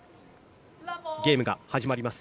ゲームが始まります。